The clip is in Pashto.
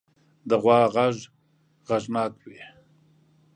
د غوا غږ غږناک وي.